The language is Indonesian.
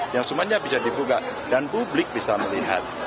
yang semuanya bisa dibuka dan publik bisa melihat